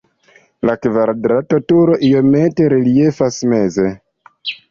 La kvadrata turo iomete reliefas meze.